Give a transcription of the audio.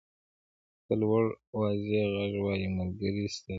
په لوړ او واضح غږ وایي ملګری ستالین.